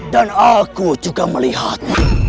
dan aku juga melihat